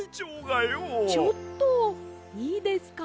ちょっといいですか？